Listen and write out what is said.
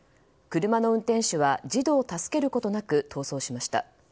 車の運転手は児童を助けることなく逃走しました。